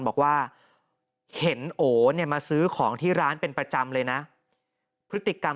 บอกว่าเห็นโอเนี่ยมาซื้อของที่ร้านเป็นประจำเลยนะพฤติกรรม